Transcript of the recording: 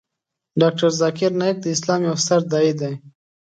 ډاکتر ذاکر نایک د اسلام یو ستر داعی دی .